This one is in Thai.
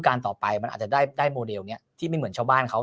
ต่อไปมันอาจจะได้โมเดลนี้ที่ไม่เหมือนชาวบ้านเขา